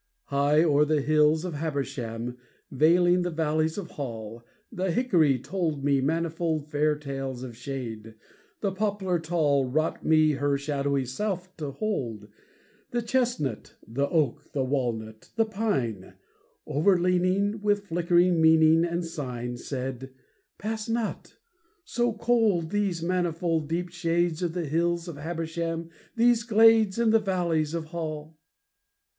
High o'er the hills of Habersham, Veiling the valleys of Hall, The hickory told me manifold Fair tales of shade, the poplar tall Wrought me her shadowy self to hold, The chestnut, the oak, the walnut, the pine, Overleaning, with flickering meaning and sign, Said, `Pass not, so cold, these manifold Deep shades of the hills of Habersham, These glades in the valleys of Hall.'